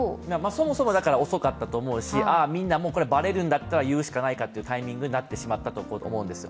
そもそも遅かったと思うし、みんなもバレるんだったら言うしかないかというタイミングになってしまったと思うんです。